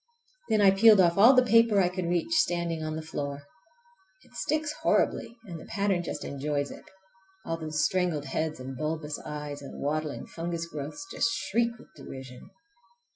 Then I peeled off all the paper I could reach standing on the floor. It sticks horribly and the pattern just enjoys it! All those strangled heads and bulbous eyes and waddling fungus growths just shriek with derision!